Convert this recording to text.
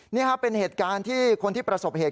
นี่ครับเป็นเหตุการณ์ที่คนที่ประสบเหตุ